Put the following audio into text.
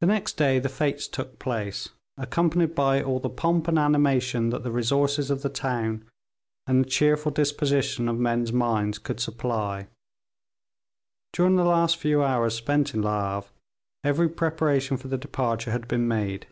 The next day the fetes took place, accompanied by all the pomp and animation that the resources of the town and the cheerful disposition of men's minds could supply. During the last few hours spent in Le Havre, every preparation for the departure had been made.